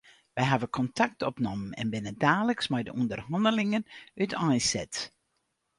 Wy hawwe kontakt opnommen en binne daliks mei de ûnderhannelingen úteinset.